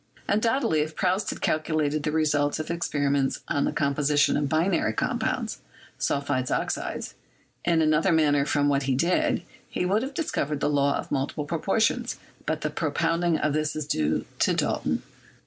Undoubtedly, if Proust had calculated the results of his experiments on the composition of binary compounds (sulphides, oxides) in another manner from what he did, he would have discovered the law of multiple proportions, but the propounding of this is due to Dalton.